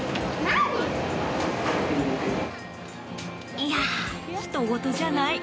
いやー、ひとごとじゃない。